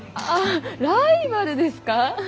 ライバルですか。